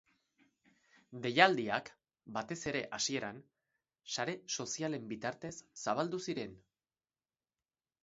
Deialdiak, batez ere hasieran, sare sozialen bitartez zabaldu ziren.